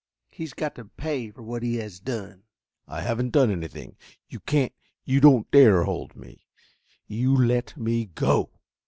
He has got to pay for what he has done." "I haven't done anything. You can't you don't dare hold me. You let me go!"